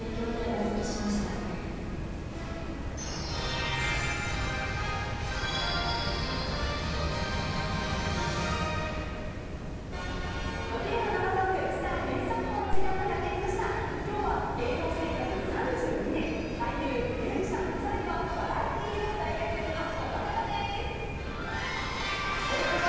今日は芸能生活３２年俳優、ミュージシャン更にはバラエティーでもこんにちは。